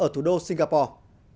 thủ đô singapore